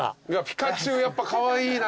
ピカチュウやっぱカワイイな。